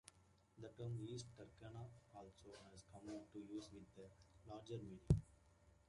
The term East Turkana also has come into use with the larger meaning.